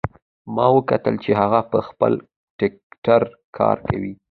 ما وکتل چې هغه په خپل ټکټر کار کوي